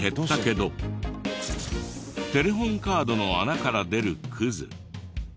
テレホンカードの穴から出るクズ